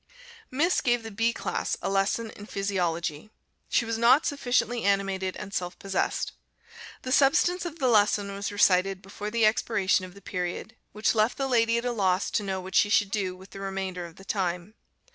Miss gave the B class a lesson in Physiology. She was not sufficiently animated and self possessed. The substance of the lesson was recited before the expiration of the period, which left the lady at a loss to know what she should do with the remainder of the time.